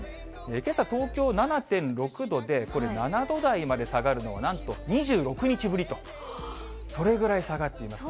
けさ、東京７．６度で、これ、７度台まで下がるのは、なんと２６日ぶりと、それぐらい下がっています。